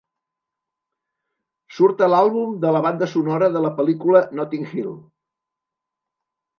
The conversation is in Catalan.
Surt a l'àlbum de la banda sonora de la pel·lícula Notting Hill.